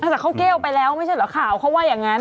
แต่เขาแก้วไปแล้วไม่ใช่เหรอข่าวเขาว่าอย่างนั้น